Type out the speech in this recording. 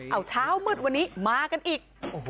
เอาเช้ามืดวันนี้มากันอีก